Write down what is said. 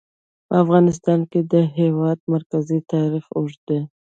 په افغانستان کې د د هېواد مرکز تاریخ اوږد دی.